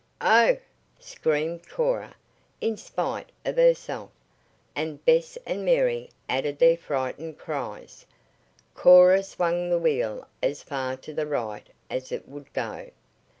"Oh!" screamed Cora, in spite of herself, and Bess and Mary added their frightened cries. Cora swung the wheel as far to the right as it would go.